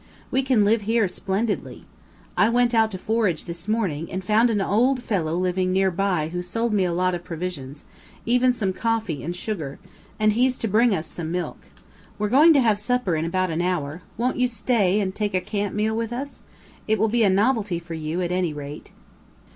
We can live here splendidly. I went out to forage this morning, and found an old fellow living near by who sold me a lot of provisions even some coffee and sugar and he's to bring us some milk. We're going to have supper in about an hour; won't you stay and take a camp meal with us? It will be a novelty for you, at any rate."